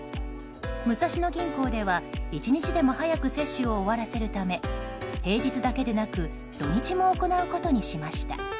武蔵野銀行では１日でも早く接種を終わらせるため平日だけでなく土日も行うことにしました。